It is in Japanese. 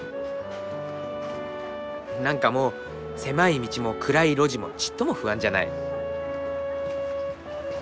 何かもう狭い道も暗い路地もちっとも不安じゃない。